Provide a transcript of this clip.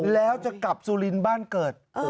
แล้วจะกลับสุรินทร์บ้านเกิด